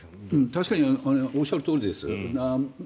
確かにおっしゃるとおりです。